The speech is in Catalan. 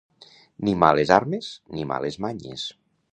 Ni males armes, ni males manyes.